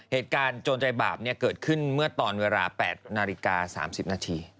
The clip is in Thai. โจรใจบาปเกิดขึ้นเมื่อตอนเวลา๘นาฬิกา๓๐นาที